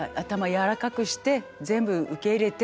柔らかくして全部受け入れて。